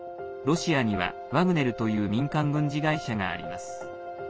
ロシアには、ワグネルという民間軍事会社があります。